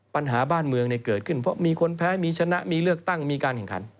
ปัญหาบ้านเมืองเกิดขึ้นเพราะมีคนแพ้มีชนะมีเลือกตั้งมีการแข่งขัน